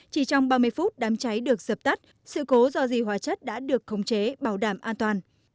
chỉ trong ba mươi phút đám cháy được dập tắt sự cố do dì hóa chất đã được khống chế bảo đảm an toàn